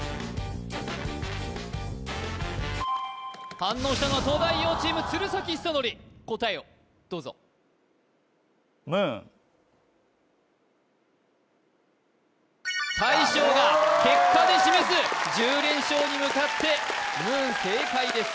反応したのは東大王チーム鶴崎修功答えをどうぞ大将が結果で示す１０連勝に向かってｍｏｏｎ正解です